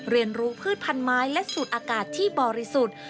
เรียนรู้พืชพันไม้และสูตรอากาศที่บริสุทธิ์